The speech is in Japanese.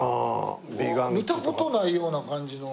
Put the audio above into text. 見た事ないような感じの。